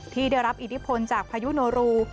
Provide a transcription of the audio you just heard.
ที่ได้รับอิทธิพลจากพายุโนรู